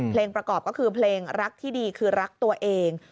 ประกอบก็คือเพลงรักที่ดีคือรักตัวเอง